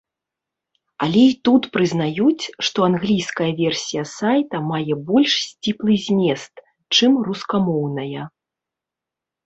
Але і тут прызнаюць, што англійская версія сайта мае больш сціплы змест, чым рускамоўная.